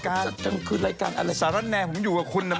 กระเทยเก่งกว่าเออแสดงความเป็นเจ้าข้าว